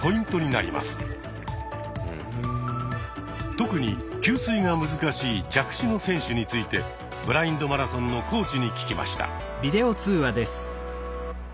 特に給水が難しい弱視の選手についてブラインドマラソンのコーチに聞きました。